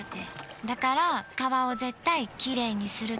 だから川を絶対きれいにするって。